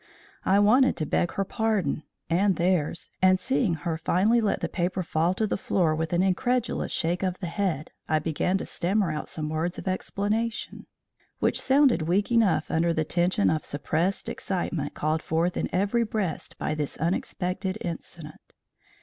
I wanted to beg her pardon and theirs, and seeing her finally let the paper fall to the floor with an incredulous shake of the head, I began to stammer out some words of explanation, which sounded weak enough under the tension of suppressed excitement called forth in every breast by this unexpected incident.